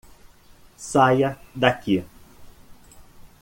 Saia daqui.